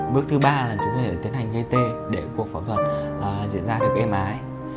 bước thứ ba là chúng tôi phải tiến hành gây tê để cuộc phẫu thuật diễn ra được êm ái